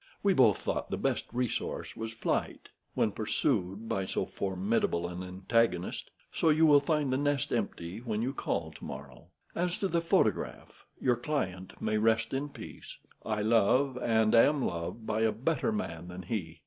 "We both thought the best resource was flight when pursued by so formidable an antagonist; so you will find the nest empty when you call to morrow. As to the photograph, your client may rest in peace. I love and am loved by a better man than he.